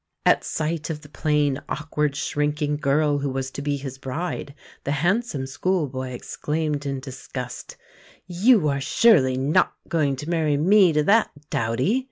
At sight of the plain, awkward, shrinking girl who was to be his bride the handsome school boy exclaimed in disgust, "You are surely not going to marry me to that dowdy!"